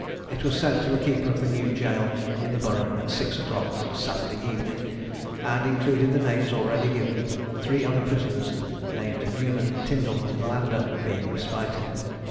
It was sent to the keeper of the New Gaol in the Borough, at six o'clock on Saturday evening, and included the names already given, three other prisoners, named Newman, Tyndal and Lander, being respited.